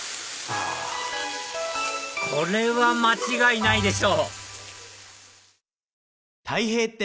これは間違いないでしょ！